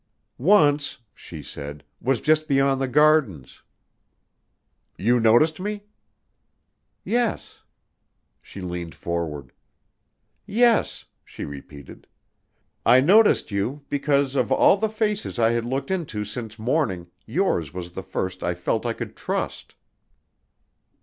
"Once," she said, "was just beyond the Gardens." "You noticed me?" "Yes." She leaned forward. "Yes," she repeated, "I noticed you because of all the faces I had looked into since morning yours was the first I felt I could trust."